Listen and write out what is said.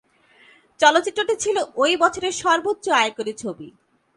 চলচ্চিত্রটি ছিল ওই বছরের সর্বোচ্চ আয়কারী ছবি।